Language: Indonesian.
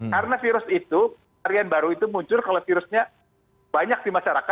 karena virus itu varian baru itu muncul kalau virusnya banyak di masyarakat